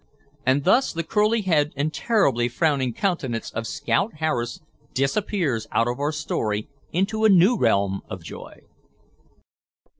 And thus the curly head and terribly frowning countenance of Scout Harris disappears out of our story into a new realm of joy....